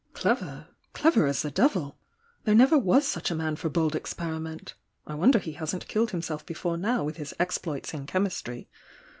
"Clever? Clever as the devil! There "never was such a man for bold experiment! I wonder he hasn't killed himself before now with his exploits in chem istry.